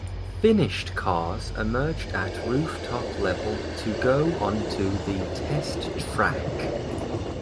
Finished cars emerged at rooftop level to go onto the test track.